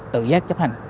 tự giác chấp hành